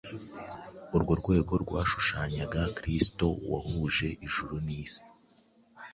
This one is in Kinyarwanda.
Urwo rwego rwashushanyaga Kristo wahuje ijuru n’isi,